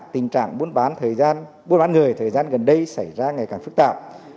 tình trạng buôn bán người thời gian gần đây xảy ra ngày càng phức tạp